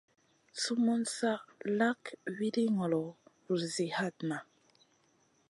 Sumun sa lak wiɗi ŋolo, vulzi hatna.